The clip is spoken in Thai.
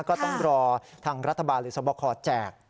ก็ต้องรอทางรัฐบาลหรือสวบคอแจก